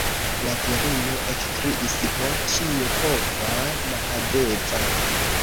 La virino ekkriis: Ho, ĉiopova Mahadeva!